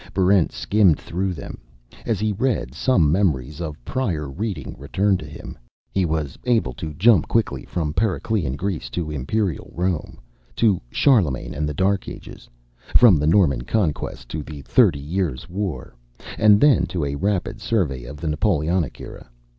Barrent skimmed through them. As he read, some memories of prior reading returned to him. He was able to jump quickly from Periclean Greece to Imperial Rome, to Charlemagne and the Dark Ages, from the Norman Conquest to the Thirty Years' War, and then to a rapid survey of the Napoleonic Era.